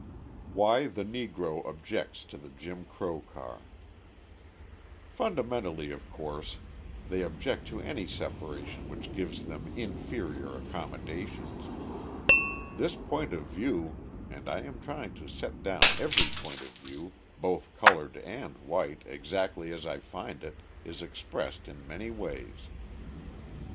Why the Negro Objects to the Jim Crow Car Fundamentally, of course they object to any separation which gives them inferior accommodations. This point of view and I am trying to set down every point of view, both coloured and white, exactly as I find it, is expressed in many ways.